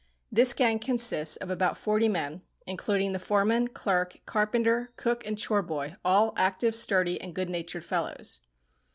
This gang consists of about forty men, including the foremen, clerk, carpenter, cook, and chore boy, all active, sturdy, and good natured fellows.